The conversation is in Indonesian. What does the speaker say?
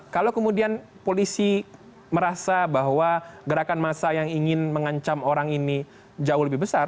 kalau kemudian polisi merasa bahwa gerakan massa yang ingin mengancam orang ini jauh lebih besar